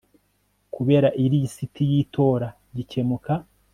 kubera ilisiti y itora gikemuka